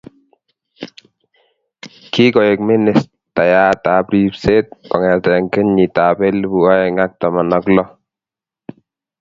Kikoek ministayat ap ripset kongete kenyit ab elpu aeng ak taman ak loo.